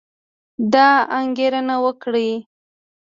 دا انګېرنه وکړئ